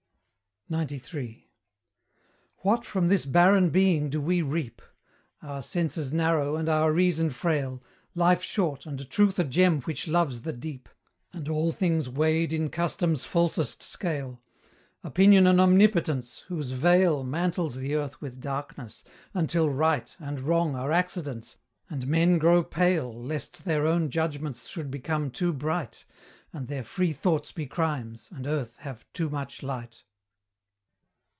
XCIII. What from this barren being do we reap? Our senses narrow, and our reason frail, Life short, and truth a gem which loves the deep, And all things weighed in custom's falsest scale; Opinion an omnipotence, whose veil Mantles the earth with darkness, until right And wrong are accidents, and men grow pale Lest their own judgments should become too bright, And their free thoughts be crimes, and earth have too much light.